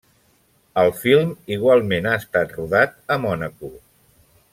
El film igualment ha estat rodat a Mònaco.